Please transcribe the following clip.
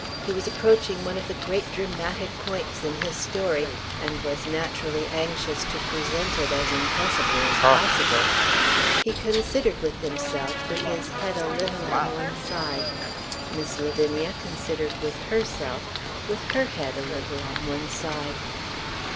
He was approaching one of the great dramatic points in his story, and was naturally anxious to present it as impressively as possible. He considered with himself, with his head a little on one side. Miss Lavinia considered with herself, with her head a little on one side.